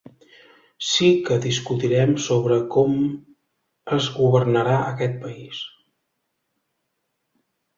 Sí que discutirem sobre com es governarà aquest país.